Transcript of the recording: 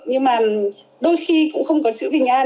nhưng mà đôi khi cũng không có chữ bình an